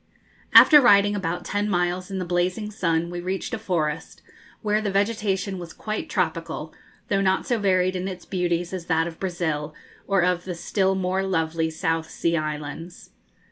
After riding about ten miles in the blazing sun we reached a forest, where the vegetation was quite tropical, though not so varied in its beauties as that of Brazil, or of the still more lovely South Sea Islands.